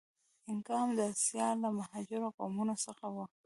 اینکا هم د آسیا له مهاجرو قومونو څخه و.